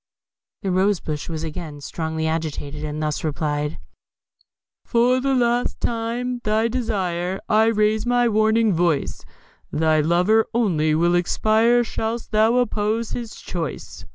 The rose bush was again strongly agitated, and thus replied: For the last time, at thy desire, I raise my warning voice: Thy lover only will expire Shouldst thou oppose his choice.